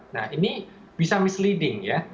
nah ini bisa misleading ya